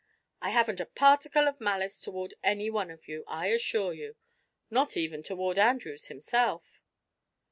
I haven't a particle of malice toward any one of you, I assure you not even toward Andrews himself."